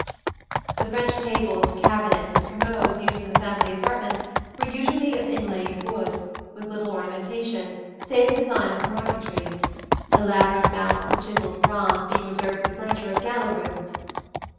The French tables, cabinets and commodes used in the family apartments were usually of inlaid wood, with little ornamentation save the design of the marquetry elaborate mounts of chiselled bronze being reserved for the furniture of gala rooms (see Plate X).